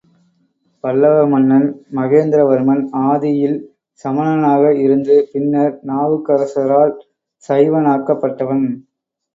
பல்லவ மன்னன் மகேந்திரவர்மன் ஆதியில் சமணனாக இருந்து பின்னர் நாவுக்கரசரால் சைவனாக்கப்பட்டவன்.